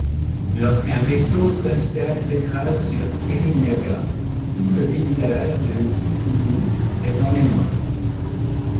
Lorsqu'un vaisseau spatial s'écrase sur Kirinyaga, tout le village kikuyu est en émoi.